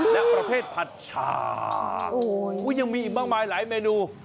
และประเภทผัดฉากยังมีอีกมากมายหลายเมนู